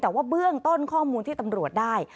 แต่ว่าเบื้องต้นข้อมูลที่ตำรวจได้